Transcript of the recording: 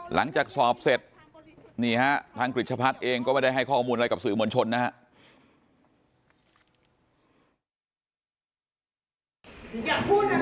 หลังจากสอบเสร็จนี่ฮะทางกฤษพัฒน์เองก็ไม่ได้ให้ข้อมูลอะไรกับสื่อมวลชนนะครับ